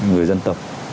người dân tộc